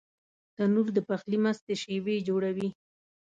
تنور د پخلي مستې شېبې جوړوي